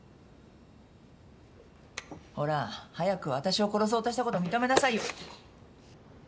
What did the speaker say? ほら早く私を殺そうとしたこと認めなさいよ。